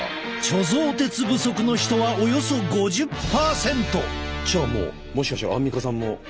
貯蔵鉄不足の人はおよそ５０％！じゃあもしかしたらアンミカさんも。